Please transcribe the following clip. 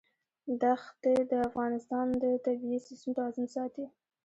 دښتې د افغانستان د طبعي سیسټم توازن ساتي.